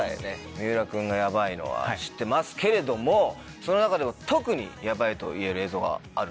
三浦君がヤバいのは知ってますけれどもその中でも特にヤバいといえる映像があると。